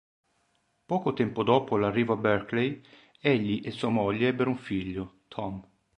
Poco tempo dopo l'arrivo a Berkeley, egli e sua moglie ebbero un figlio, Tom.